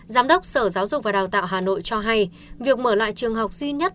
giám đốc sở giáo dục và đào tạo hà nội cho hay việc mở lại trường học duy nhất